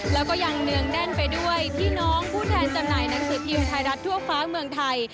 แล้วก็ยังเนืองแน่นไปด้วยพี่น้องผู้แทนจำหน่ายหนังสือพิมพ์ไทยรัฐทั่วฟ้าเมืองไทย